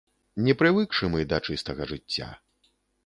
Не прывыкшы мы да чыстага жыцця.